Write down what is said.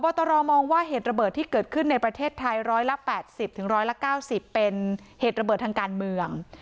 พบตรมองว่าเหตุระเบิดที่เกิดขึ้นในประเทศไทยร้อยละแปดสิบถึงร้อยละเก้าสิบเป็นเหตุระเบิดทางการเมือง